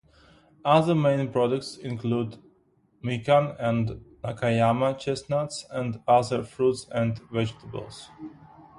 Other main products include mikan and Nakayama chestnuts and other fruits and vegetables.